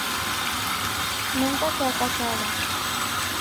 Nunca se ha casado.